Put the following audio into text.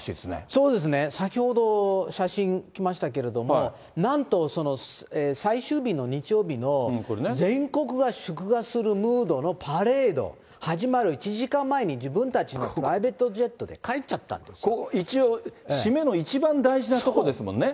そうですね、先ほど、写真きましたけれども、なんと最終日の日曜日の全国が祝賀するムードのパレード、始まる１時間前に自分たちのプライベートジェットで帰っちゃった一応、締めの一番大事なとこですもんね。